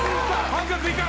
半額以下！